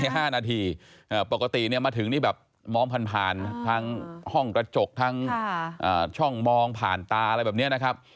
ใช่๕นาทีปกติมาถึงนี่แบบมองพันทั้งห้องกระจกทั้งช่องมองผ่านตาอะไรแบบนี้นะครับ